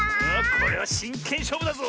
これはしんけんしょうぶだぞ！